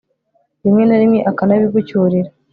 rimwe na rimwe akanabigucyurira